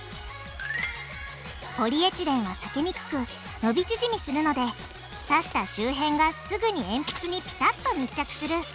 ポリエチレンは裂けにくく伸び縮みするので刺した周辺がすぐに鉛筆にピタッと密着する。